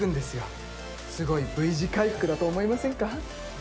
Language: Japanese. すごいＶ字回復だと思いませんか？